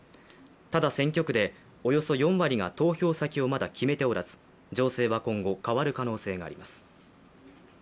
ただ選挙区でおよそ４割が投票先をまだ決めておらず情勢は今後、変わる可能性があります。